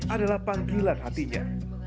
adalah panggilan hatinya